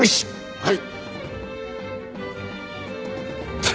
はい！